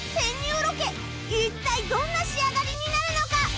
一体どんな仕上がりになるのか？